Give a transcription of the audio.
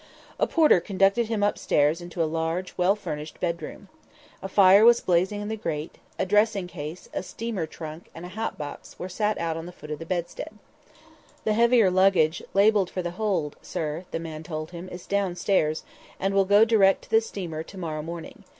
A porter conducted him up stairs into a large, well furnished bedroom. A fire was blazing in the grate; a dressing case, a steamer trunk and a hatbox were set out at the foot of the bedstead. "The heavier luggage, labelled for the hold, sir," the man told him, "is down stairs, and will go direct to the steamer to morrow morning.